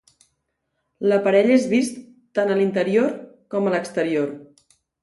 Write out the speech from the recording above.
L'aparell és vist tant a l'interior com a l'exterior.